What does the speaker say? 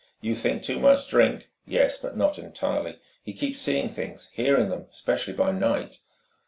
You think too much drink. Yes, but not entirely. He keeps seeing things, hearing them, especially by night."